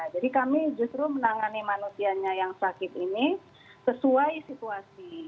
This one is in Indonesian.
jadi kami justru menangani manusianya yang sakit ini sesuai situasi